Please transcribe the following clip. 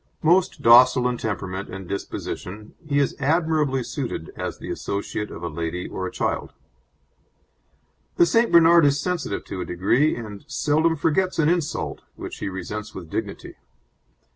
Most docile in temperament and disposition, he is admirably suited as the associate of a lady or a child. The St. Bernard is sensitive to a degree, and seldom forgets an insult, which he resents with dignity.